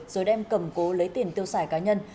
rồi đem cầm cố lấy tiền tiêu xài cá nhân